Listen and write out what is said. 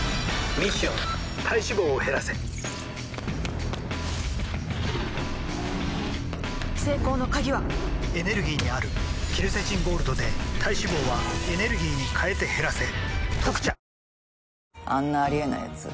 ミッション体脂肪を減らせ成功の鍵はエネルギーにあるケルセチンゴールドで体脂肪はエネルギーに変えて減らせ「特茶」